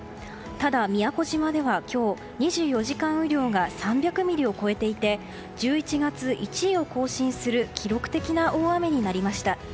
ただ、宮古島では今日２４時間雨量が３００ミリを超えていて１１月１位を更新する記録的な大雨になりました。